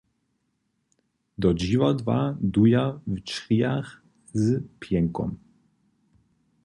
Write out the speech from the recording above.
Do dźiwadła du ja w črijach z pjenkom.